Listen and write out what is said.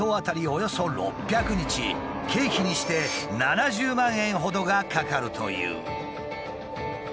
およそ６００日経費にして７０万円ほどがかかるという。